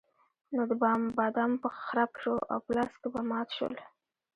نو د بادامو به خرپ شو او په لاس کې به مات شول.